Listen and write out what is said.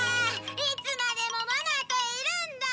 いつまでもママといるんだ！